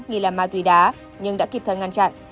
nghĩ là ma tùy đá nhưng đã kịp thời ngăn chặn